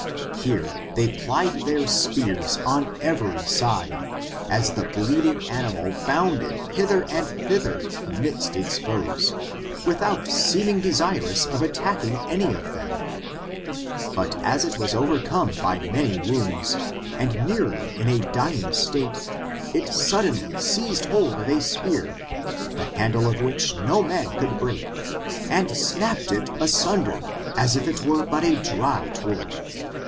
Hera they plied their spears on every side, as the bleeding animal bounded hither and thither amidst its foes, without seeming desirous of attacking any of thern^ But as it was overcome by many wounds, and nearly in a dying state, it suddenly seized hold of a spear, the handle of which no man could break, and snap ped it asunder, as if it were but a dry twig.